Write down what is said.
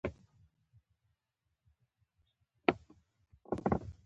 د بښنې غوښتنه د زړه صفا کوي.